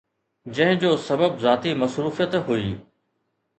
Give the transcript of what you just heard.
جنهن جو سبب ذاتي مصروفيت هئي.